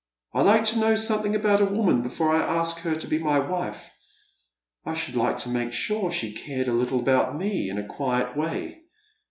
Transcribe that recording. " I like to know something about a woman before I ask her to be my wife. I should like to make sure she cared a little about me, in a quiet way.